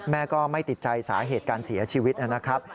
ก็ไม่ติดใจสาเหตุการเสียชีวิตนะครับ